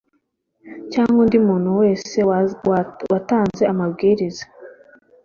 cyangwa undi muntu wese watanze amabwiriza